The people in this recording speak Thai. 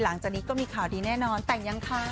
หลังจากนี้ก็มีข่าวดีแน่นอนแต่งยังคะ